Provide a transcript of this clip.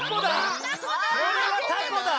これはタコだ！